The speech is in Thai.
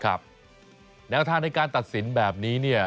ครับแล้วถ้าในการตัดสินแบบนี้เนี่ย